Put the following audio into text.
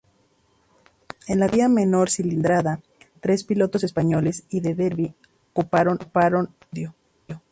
En la categoría menor cilindrada, tres pilotos españoles y de Derbi coparon el podio.